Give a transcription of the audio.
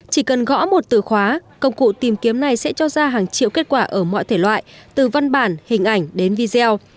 chỉ cần gõ một từ khóa công cụ tìm kiếm này sẽ cho ra hàng triệu kết quả ở mọi thể loại từ văn bản hình ảnh đến video